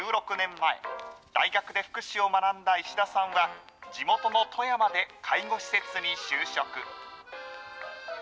１６年前、大学で福祉を学んだ石田さんは、地元の富山で介護施設に就職。